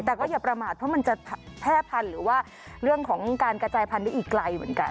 แต่ก็อย่าประมาทเพราะมันจะแพร่พันธุ์หรือว่าเรื่องของการกระจายพันธุ์ได้อีกไกลเหมือนกัน